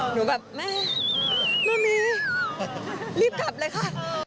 หนูแบบแม่ไม่มีรีบกลับเลยค่ะ